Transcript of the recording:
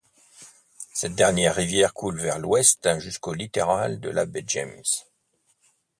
Cette dernière rivière coule vers l'ouest jusqu'au littoral de la baie James.